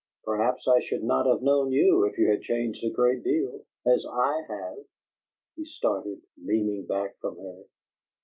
Perhaps I should not have known you if you had changed a great deal as I have!" He started, leaning back from her.